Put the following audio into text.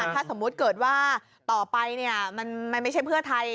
ถ้าสมมุติเกิดว่าต่อไปมันไม่ใช่เพื่อไทย